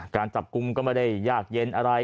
การจับกลุ่มก็ไม่ได้ยากเย็นอะไร